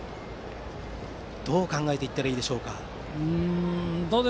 どう考えていったらいいですか。